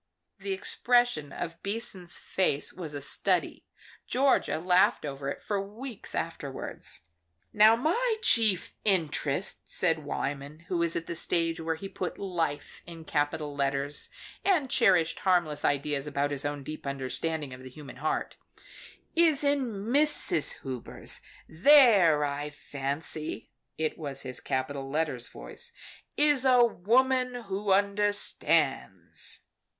The expression of Beason's face was a study. Georgia laughed over it for weeks afterwards. "Now my chief interest," said Wyman, who was at the stage where he put life in capital letters, and cherished harmless ideas about his own deep understanding of the human heart, "is in Mrs. Hubers. There, I fancy," it was his capital letter voice "is a woman who understands."